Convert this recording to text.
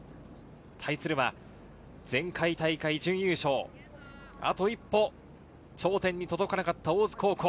対するは、前回大会、準優勝まであと一歩、頂点に届かなかった大津高校。